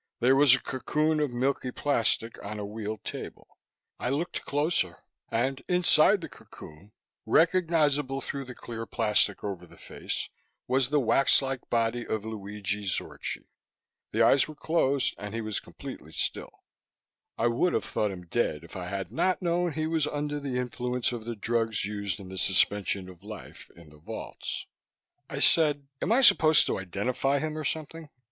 There was a cocoon of milky plastic on a wheeled table; I looked closer, and inside the cocoon, recognizable through the clear plastic over the face, was the waxlike body of Luigi Zorchi. The eyes were closed and he was completely still. I would have thought him dead if I had not known he was under the influence of the drugs used in the suspension of life in the vaults. I said: "Am I supposed to identify him or something?"